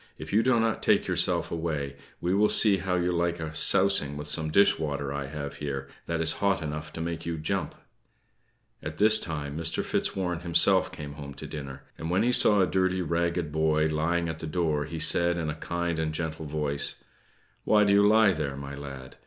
If you do not take yourself away, we will see how you like a sousing of some dish water I have here, that is hot enough to make you jump." At this time Mr. Fitzwarren himself came home to dinner; and when he saw a dirty ragged boy lying at the door, he said, in a kind and gentle voice: "Why do you lie there, my lad?